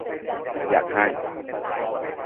อยากให้